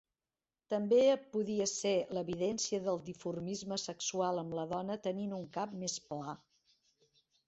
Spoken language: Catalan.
També podia ser l"evidència del dimorfisme sexual amb la dona tenint un cap més pla.